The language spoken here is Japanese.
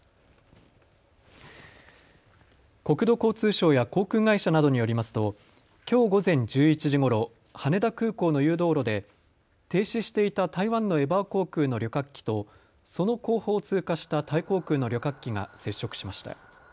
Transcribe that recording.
国土交通省や航空会社などによりますときょう午前１１時ごろ、羽田空港の誘導路で停止していた台湾のエバー航空の旅客機とその後方を通過したタイ航空の旅客機が接触しました。